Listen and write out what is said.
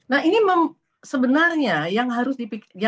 nah ini sebenarnya yang harus diketahui ya